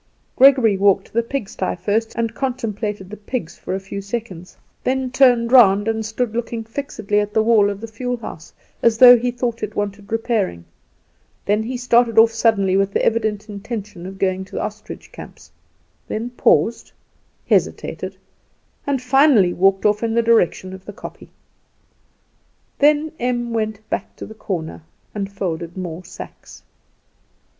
Gregory walked to the pigsty first, and contemplated the pigs for a few seconds; then turned round, and stood looking fixedly at the wall of the fuel house as though he thought it wanted repairing; then he started off suddenly with the evident intention of going to the ostrich camps; then paused, hesitated, and finally walked off in the direction of the kopje. Then Em went back to the corner and folded more sacks.